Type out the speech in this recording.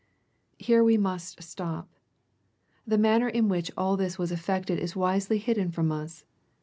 Here we must stop. The manner in which all this was effected is wisely hidden from us.